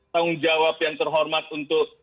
tanggung jawab yang terhormat untuk